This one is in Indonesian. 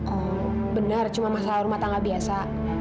oh benar cuma masalah rumah tangga biasa